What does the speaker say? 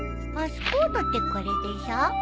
パスポートってこれでしょ？